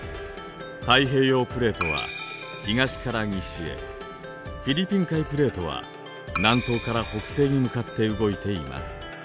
太平洋プレートは東から西へフィリピン海プレートは南東から北西に向かって動いています。